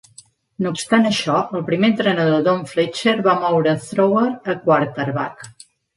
No obstant això, el primer entrenador Don Fletcher va moure Thrower a quarterback.